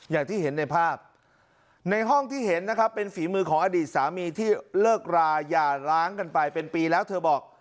อย่างที่เห็นในภาพในห้องที่เห็นนะครับเป็นฝีมือของอดีตสามีที่เลิกราหย่าล้างกันไปเป็นปีแล้วเธอบอก